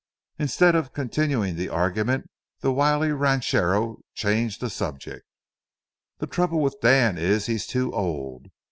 Instead of continuing the argument, the wily ranchero changed the subject. "The trouble with Dan is he's too old.